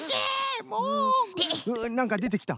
なんかでてきた！